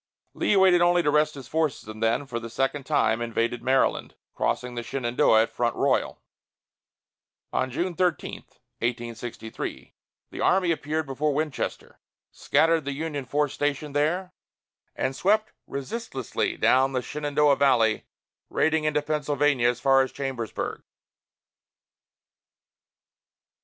Lee waited only to rest his forces and then, for the second time, invaded Maryland, crossing the Shenandoah at Front Royal. On June 13, 1863, the army appeared before Winchester, scattered the Union force stationed there, and swept resistlessly down the Shenandoah Valley, raiding into Pennsylvania as far as Chambersburg.